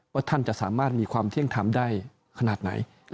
ท่านจะสามารถมีความเที่ยงทำได้ขนาดไหน